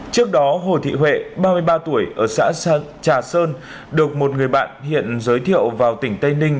trước đó hồ thị huệ ba mươi ba tuổi ở xã trà sơn được một người bạn hiện giới thiệu vào tỉnh tây ninh